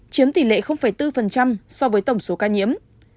chiếm tỷ lệ bốn so với tổng số ca nhiễm